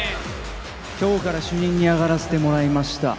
今日から主任に上がらしてもらいました。